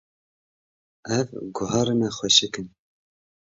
Ev guharine xweşik in.